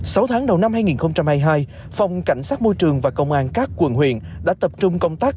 sáu tháng đầu năm hai nghìn hai mươi hai phòng cảnh sát môi trường và công an các quần huyện đã tập trung công tác